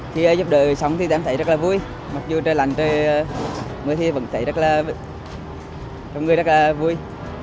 khi giúp đỡ sống thì em thấy rất là vui mặc dù trời lạnh trời mưa thì vẫn thấy rất là vui